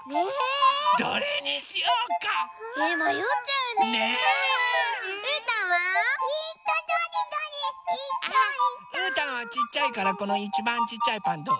うーたんはちっちゃいからこのいちばんちっちゃいパンどう？